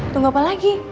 tunggu apa lagi